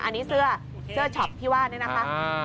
อันนี้เสื้อเสื้อช็อปที่ว่านี่นะคะ